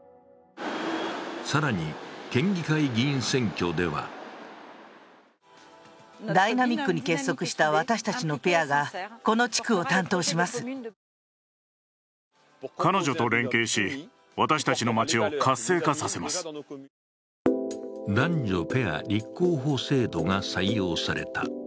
更に、県議会議員選挙では男女ペア立候補制度が採用された。